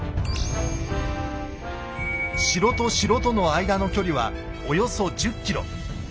城と城との間の距離はおよそ１０ｋｍ。